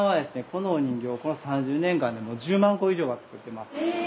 このお人形をこの３０年間で１０万個以上は作ってます。